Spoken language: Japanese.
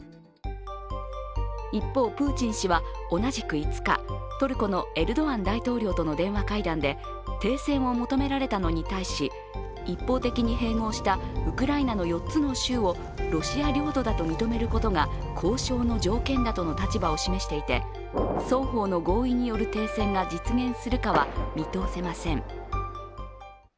一方、プーチン氏は同じく５日、トルコのエルドアン大統領との電話会談で停戦を求められたのに対し一方的に併合したウクライナの４つの州をロシア領土だと認めることが交渉の条件だとの立場を示していて双方の合意による停戦が実現するかは見通せません。